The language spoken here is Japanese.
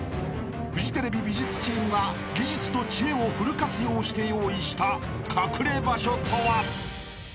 ［フジテレビ美術チームが技術と知恵をフル活用して用意した隠れ場所とは］